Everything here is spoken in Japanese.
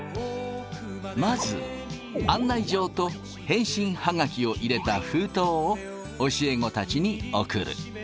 まず案内状と返信ハガキを入れた封筒を教え子たちに送る。